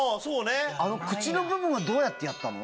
口の部分はどうやってやったの？